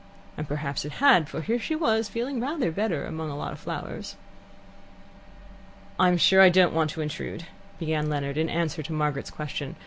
And perhaps it had, for here she was, feeling rather better among a lot of flowers. "I'm sure I don't want to intrude," began Leonard, in answer to Margaret's question.